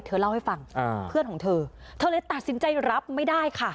เธอเล่าให้ฟังอ่าเพื่อนของเธอเธอเลยตัดสินใจรับไม่ได้ค่ะ